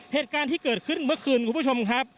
เหตุการณ์ที่เกิดขึ้นเมื่อคืนคุณผู้ชมครับ